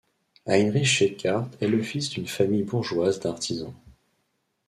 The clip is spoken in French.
Heinrich Schickhardt est le fils d'une famille bourgeoise d'artisans.